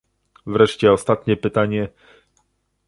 Wreszcie ostatnie pytanie